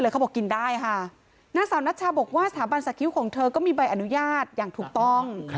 เขาบอกกินได้ค่ะนางสาวนัชชาบอกว่าสถาบันสักคิ้วของเธอก็มีใบอนุญาตอย่างถูกต้อง